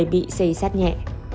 bị xây sát nhẹ